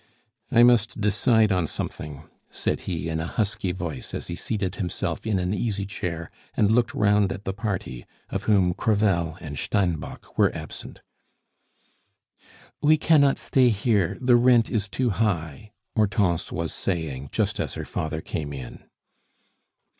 "I must decide on something," said he in a husky voice, as he seated himself in an easy chair, and looked round at the party, of whom Crevel and Steinbock were absent. "We cannot stay here, the rent is too high," Hortense was saying just as her father came in.